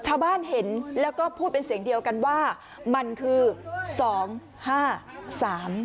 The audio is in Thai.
ชาวบ้านเห็นแล้วก็พูดเป็นเสียงเดียวกันว่ามันคือสองห้าสาม